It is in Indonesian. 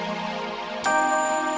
aku mau berusaha banget